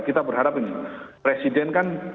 kita berharap ini presiden kan